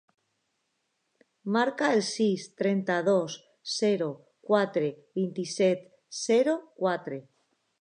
Marca el sis, trenta-dos, zero, quatre, vint-i-set, zero, quatre.